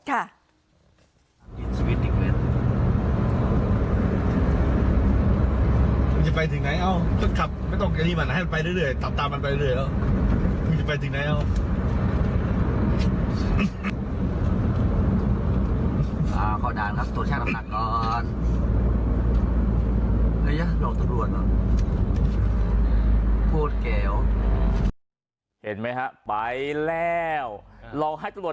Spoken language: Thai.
กรรต์